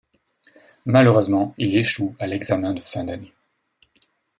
Malheureusement, il échoue à l'examen de fin d'année.